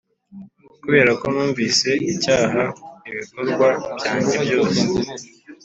kuberako numvise icyaha ibikorwa byanjye byose ,,